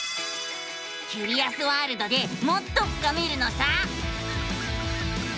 キュリアスワールドでもっと深めるのさ！